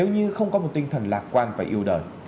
nếu như không có một tinh thần lạc quan và yêu đời